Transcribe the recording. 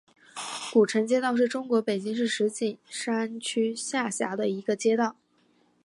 古城街道是中国北京市石景山区下辖的一个街道。